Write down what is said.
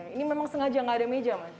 ini memang sengaja nggak ada meja mas